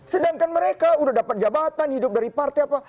sedangkan mereka udah dapat jabatan hidup dari partai apa